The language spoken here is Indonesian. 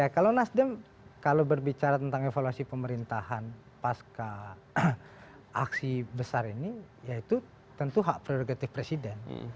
kalau nasdem kalau berbicara tentang evaluasi pemerintahan pasca aksi besar ini ya itu tentu hak prerogatif presiden